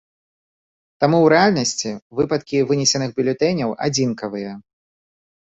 Таму ў рэальнасці выпадкі вынесеных бюлетэняў адзінкавыя.